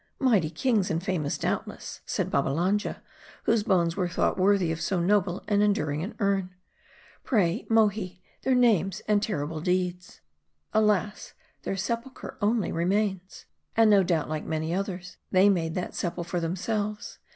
" Mighty kings, and famous, doubtless," said Babbalanja, " whose bones were thought worthy of so noble and enduring an urn. Pray, Mohi, their names and terrible deeds." " Alas ! their sepulcher only remains." " And, no doubt, like many others, they made that sepul cher for themselves.